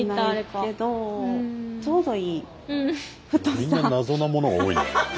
みんな謎なものが多いな。